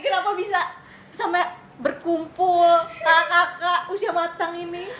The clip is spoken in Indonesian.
kenapa bisa sampai berkumpul kakak kakak usia matang ini